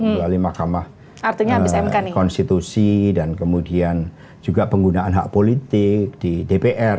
melalui mahkamah konstitusi dan kemudian juga penggunaan hak politik di dpr